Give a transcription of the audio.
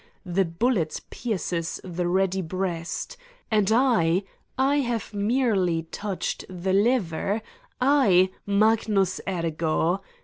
The bullet pierces the ready breast. And I I have merely touched the lever, I, Magnus Ergo!